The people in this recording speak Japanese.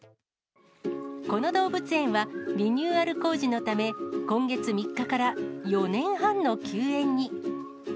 この動物園はリニューアル工事のため、今月３日から、４年半の休園に。